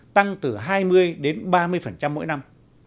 tăng từ hai mươi đến ba mươi mỗi năm